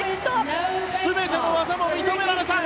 全ての技も認められた！